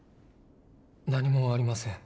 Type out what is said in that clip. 何もありません。